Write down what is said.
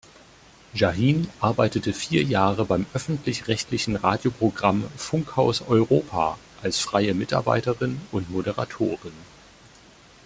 Şahin arbeitete vier Jahre beim öffentlich-rechtlichen Radioprogramm Funkhaus Europa als freie Mitarbeiterin und Moderatorin.